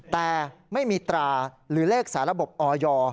แต่ไม่มีตราหรือเลขสาระบบออย